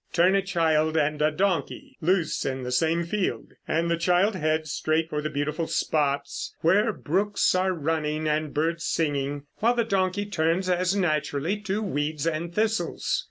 Turn a child and a donkey loose in the same field, and the child heads straight for the beautiful spots where brooks are running and birds singing, while the donkey turns as naturally to weeds and thistles.